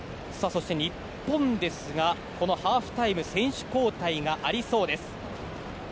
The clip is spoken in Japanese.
そして、日本ですがハーフタイム選手交代がありそうです。